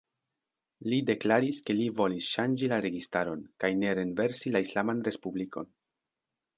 Li deklaris, ke li volis ŝanĝi la registaron, kaj ne renversi la islaman respublikon.